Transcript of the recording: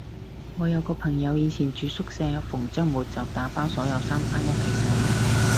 我有個朋友以前住宿舍，逢周末就打包所有衫返屋企洗